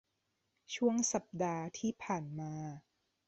ช่วงสัปดาห์ที่ผ่านมา